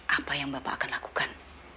apa yang bapak akan lakukan